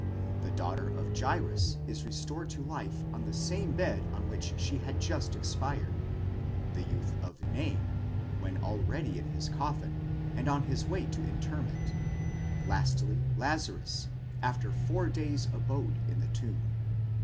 *® The daughter of Jairus is restored to life on the same bed on which she had just expired; the youth of Nain, when already in his coffin, and on his way to interment ; lastly, Lazarus, after four days' abode in the tomb.